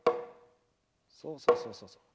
そうそうそうそう。